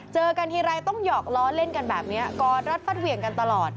เจอกันทีไรต้องหยอกล้อเล่นกันแบบนี้กอดรัดฟัดเหวี่ยงกันตลอด